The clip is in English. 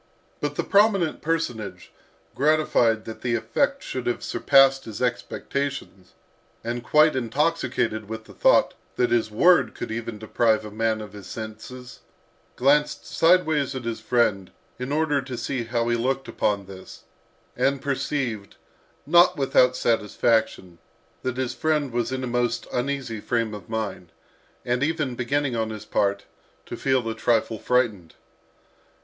But the prominent personage, gratified that the effect should have surpassed his expectations, and quite intoxicated with the thought that his word could even deprive a man of his senses, glanced sideways at his friend in order to see how he looked upon this, and perceived, not without satisfaction, that his friend was in a most uneasy frame of mind, and even beginning on his part, to feel a trifle frightened.